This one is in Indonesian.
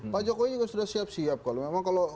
pak jokowi juga sudah siap siap kalau memang